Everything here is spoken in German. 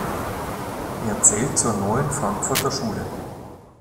Er zählt zur Neuen Frankfurter Schule.